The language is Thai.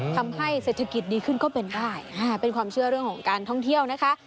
ทำให้เศรษฐกิจดีขึ้นก็เป็นได้เป็นความเชื่อเรื่องของการท่องเที่ยวนะคะ